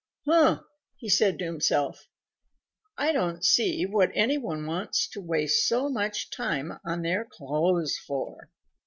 "Huh!" said he to himself, "I don't see what any one wants to waste so much time on their clothes for."